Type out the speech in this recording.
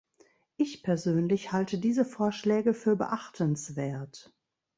Ich persönlich halte diese Vorschläge für beachtenswert.